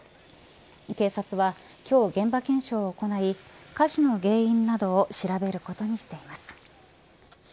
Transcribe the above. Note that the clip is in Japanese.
警察は今日現場検証を行い火事の原因などを調べることにしています。